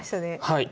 はい。